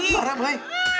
bu juara boy